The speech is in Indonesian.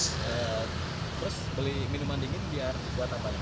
terus beli minuman dingin biar buat apa